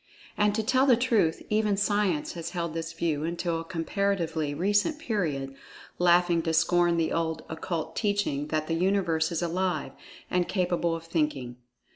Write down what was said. And, to tell the truth, even Science has held this view until a comparatively recent period, laughing to scorn the old Occult Teaching that the Universe is Alive, and capable of Thinking.